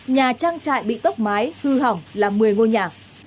nhà trang trại bị tốc mái hư hỏng là một mươi ngôi nhà